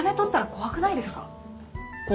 怖くないです。